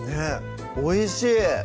おいしい！